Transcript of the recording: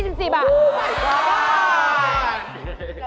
โอ้ไงก็อด